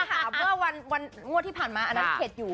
แต่ถ้าถามวันงวดที่ผ่านมาอันนั้นเข็ดอยู่